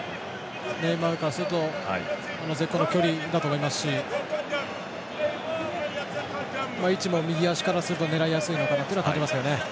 ネイマールからすると絶好の距離だと思いますし位置も右足からすると狙いやすいなと感じますよね。